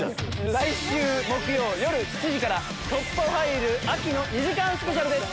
来週木曜夜７時から『突破ファイル』秋の２時間スペシャルです。